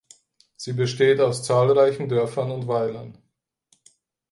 Sie besteht aus zahlreichen Dörfern und Weilern.